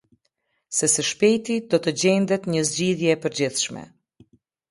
Se së shpejti do të gjendet një zgjidhje e përgjithshme.